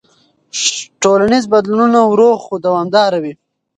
ټولنیز بدلونونه ورو خو دوامداره وي.